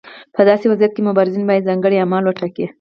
په داسې وضعیت کې مبارزین باید ځانګړي اعمال وټاکي.